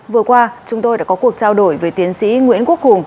vừa qua chúng tôi đã có cuộc trao đổi với tiến sĩ nguyễn quốc hùng